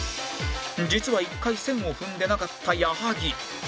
実は１回線を踏んでなかった矢作